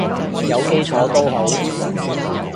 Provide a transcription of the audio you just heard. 有基礎都好